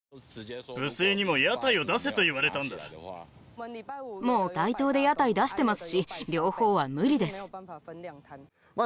武聖にも屋台を出せと言われたんだもう大東で屋台出してますし両方は無理ですまあ